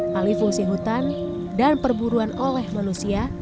halifungsi hutan dan perburuan oleh manusia